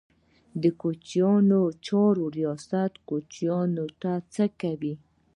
د کوچیانو چارو ریاست کوچیانو ته څه کوي؟